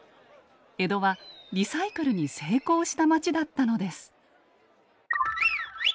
江戸はリサイクルに成功した街だったのです。